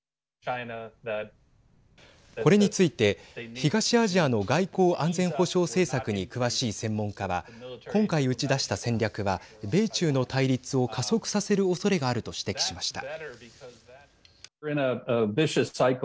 これについて東アジアの外交・安全保障政策に詳しい専門家は今回打ち出した戦略は米中の対立を加速させるおそれがあると指摘しました。